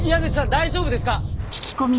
大丈夫ですか？